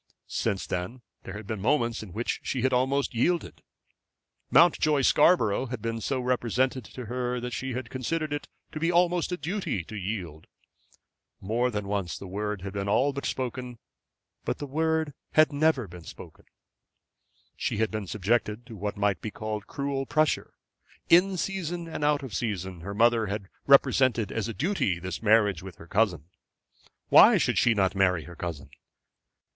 Since that there had been moments in which she had almost yielded. Mountjoy Scarborough had been so represented to her that she had considered it to be almost a duty to yield. More than once the word had been all but spoken; but the word had never been spoken. She had been subjected to what might be called cruel pressure. In season and out of season her mother had represented as a duty this marriage with her cousin. Why should she not marry her cousin?